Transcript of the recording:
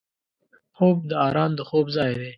خوب د آرام د خوب ځای دی